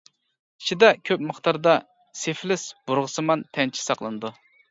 ئىچىدە كۆپ مىقداردا سىفلىس بۇرغىسىمان تەنچە ساقلىنىدۇ.